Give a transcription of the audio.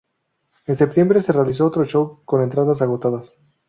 En septiembre se realizó otro show, con entradas agotadas.